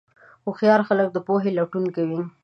هوښیار خلک د پوهې لټون کوي.